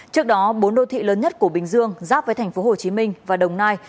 trước đó bốn đô thị lớn nhất của bình dương giáp với thành phố hồ chí minh và đồng nai